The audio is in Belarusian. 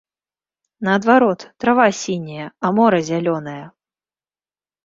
Наадварот, трава сіняя, а мора зялёнае.